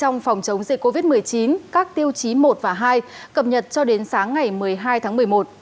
trong phòng chống dịch covid một mươi chín các tiêu chí một và hai cập nhật cho đến sáng ngày một mươi hai tháng một mươi một